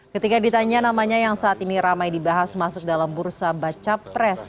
ketika ditanya namanya yang saat ini ramai dibahas masuk dalam bursa baca pres